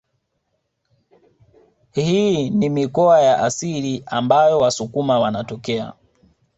Hii ni mikoa ya asili ambayo wasukuma wanatokea